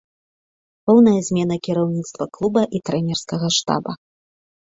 Поўная змена кіраўніцтва клуба і трэнерскага штаба.